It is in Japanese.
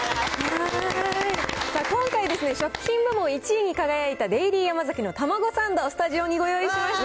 今回ですね、食品部門１位に輝いたデイリーヤマザキのタマゴサンド、スタジオにご用意しました。